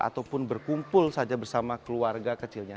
ataupun berkumpul saja bersama keluarga kecilnya